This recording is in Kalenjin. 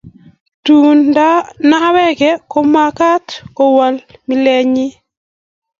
Tun nawekei komakat kowol milenyin